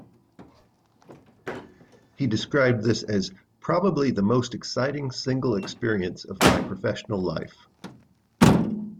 He described this as "probably the most exciting single experience of my professional life".